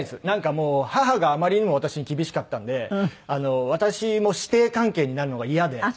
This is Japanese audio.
なんかもう母があまりにも私に厳しかったので私も師弟関係になるのが嫌で。